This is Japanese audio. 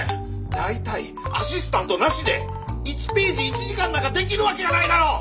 大体アシスタントなしで１ページ１時間なんかできるわけがないだろう！